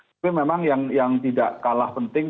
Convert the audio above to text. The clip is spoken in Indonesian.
tapi memang yang tidak kalah penting